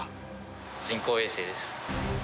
人工衛星です。